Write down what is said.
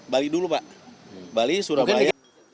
bali dulu pak bali surabaya